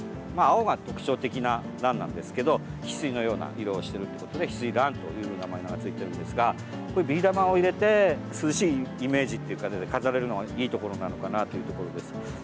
青が特徴的なランなんですけど翡翠のような色をしていることでヒスイランという名前が付いているんですがこれ、ビー玉を入れて涼しいイメージっていう感じで飾れるのはいいところなのかなというところです。